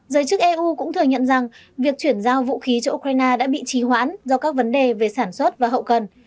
giới chức eu cũng thừa nhận rằng việc chuyển giao vũ khí cho ukraine đã bị trì hoãn do các vấn đề về sản xuất và hậu cần